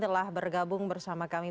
telah bergabung bersama kami